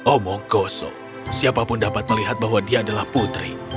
omongkoso siapa pun dapat melihat bahwa dia adalah putri